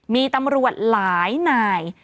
มีตำรวจหลายนาย